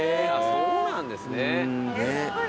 そうなんですね。